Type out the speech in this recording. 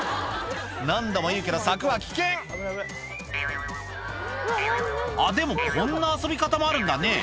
何度も言うけど柵は危険あっでもこんな遊び方もあるんだね